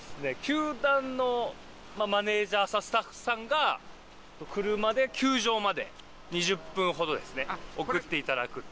球団のマネジャーさんスタッフさんが車で球場まで２０分ほどですね送って頂くっていう。